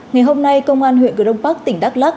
ngày hôm nay công an huyện cửa đông bắc tỉnh đắk lắc